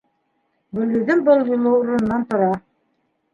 Гөлйөҙөм был юлы урынынан тора.